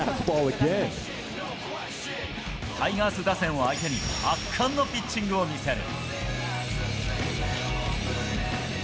タイガース打線を相手に圧巻のピッチングを見せる。